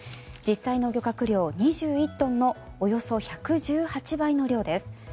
実際の漁獲量２１トンのおよそ１１８倍の量です。